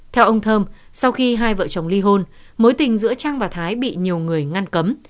theo ông thơm sau khi hai vợ chồng ly hôn mối tình giữa trang và thái bị nhiều người ngăn cấm